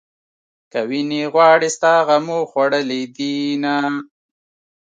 که وينې غواړې ستا غمو خوړلې دينه